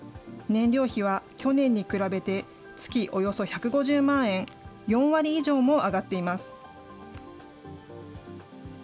燃料費は去年に比べて月およそ１５０万円、４割以上も上がっています。